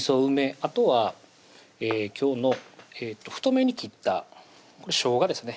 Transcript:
あとは今日の太めに切ったしょうがですね